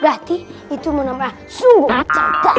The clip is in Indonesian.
berarti itu menambah sungguh